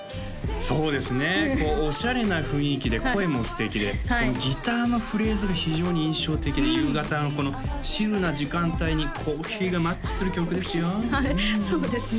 そうですねこうオシャレな雰囲気で声も素敵ででもギターのフレーズが非常に印象的で夕方のこのチルな時間帯にコーヒーがマッチする曲ですよはいそうですね